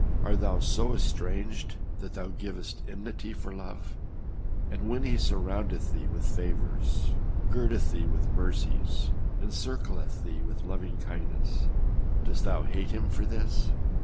Art thou so estranged that thou givest enmity for love ? And when he sur roundeth thee with favors, girdeth thee with mercies, encircleth thee with loving kindness, dost thou hate him for this